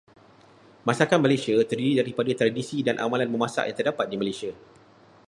Masakan Malaysia terdiri daripada tradisi dan amalan memasak yang terdapat di Malaysia.